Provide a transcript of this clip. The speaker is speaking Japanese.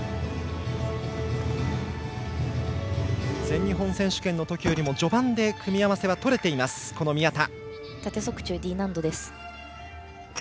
全日本選手権の時よりも序盤で組み合わせは取れている宮田。